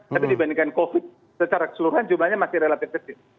tapi dibandingkan covid secara keseluruhan jumlahnya masih relatif kecil